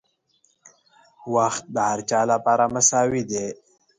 • وخت د هر چا لپاره مساوي دی.